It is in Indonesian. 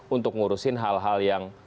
untuk ngurusin hal hal yang